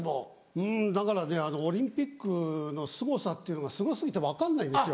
うんだからねオリンピックのすごさっていうのがすご過ぎて分かんないんですよ。